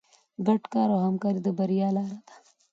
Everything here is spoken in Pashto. ګډ کار او همکاري د بریا لاره ده.